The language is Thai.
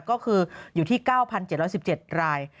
ก็คืออยู่ที่๙๗๑๗ราย